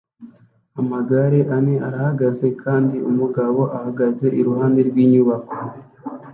Amagare ane arahagaze kandi umugabo ahagaze iruhande rwinyubako